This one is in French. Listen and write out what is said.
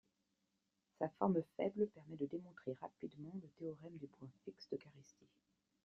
Sa forme faible permet de démontrer rapidement le théorème du point fixe de Caristi.